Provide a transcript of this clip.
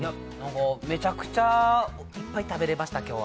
めちゃくちゃいっぱい食べれました、今日。